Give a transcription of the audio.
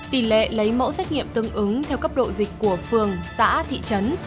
tỷ lệ lấy mẫu xét nghiệm tương ứng theo cấp độ dịch của phường xã thị trấn